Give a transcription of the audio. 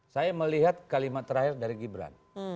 saya melihat kalimat terakhir dari gibran